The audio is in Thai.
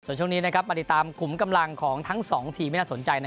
ส่วนช่วงนี้มาติดตามขุมกำลังของทั้งสองทีมที่น่าสนใจ